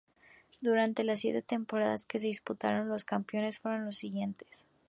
Durante las siete temporadas que se disputaron, los campeones fueron los siguientes.